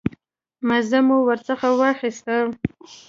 مزه مو ورڅخه واخیسته.